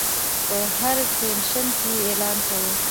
په هر سټیشن کې یې اعلان کاوه.